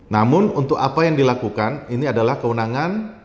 namun untuk apa yang dilakukan ini adalah kewenangan